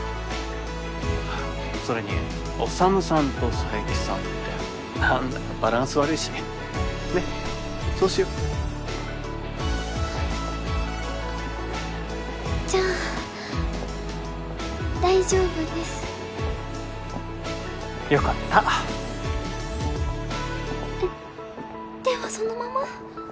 それに宰さんと佐伯さんって何だかバランス悪いしねっそうしようじゃあ大丈夫ですよかったえっ手はそのまま？